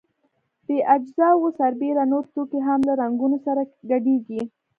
دې اجزاوو سربېره نور توکي هم له رنګونو سره ګډیږي.